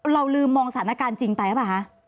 เราลืมมองสถานการณ์จริงไปหรือเปล่าคะ